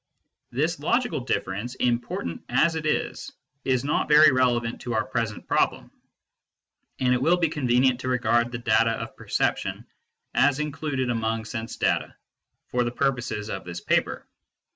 This logical difference, important as it is, is not very relevant to our present problem ; and it will be convenient to regard data of perception as included among sense data for the purposes of this paper.